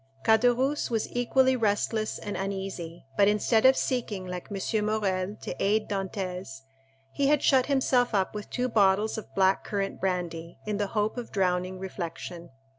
Caderousse was equally restless and uneasy, but instead of seeking, like M. Morrel, to aid Dantès, he had shut himself up with two bottles of black currant brandy, in the hope of drowning reflection.